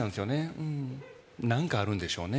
うんなんかあるんでしょうね